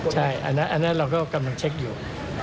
ใช่เรากำลังเช็คอยู่